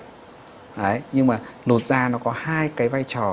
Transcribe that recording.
đấy nhưng mà lột da nó có hai cái vai trò